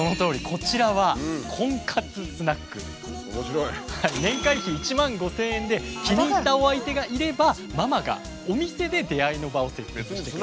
こちらは年会費１万５，０００円で気に入ったお相手がいればママがお店で出会いの場をセッティングしてくれる。